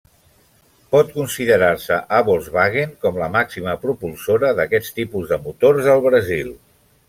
Pot considerar-se a Volkswagen com la màxima propulsora d'aquests tipus de motors al Brasil.